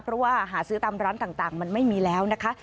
เพราะว่าหาซื้อตามร้านต่างมันไม่มีแล้วนะคะ